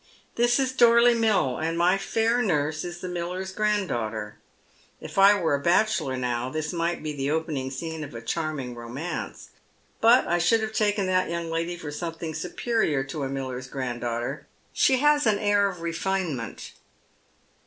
This is Dorley Mill, and my fair nurse is the miller's granddaughter. If I were a bachelor now, this might be the opening scene of a chaiming romance. But I should have taken that young lady for something superior to a miller's granddaughter ; she has an air of refinement."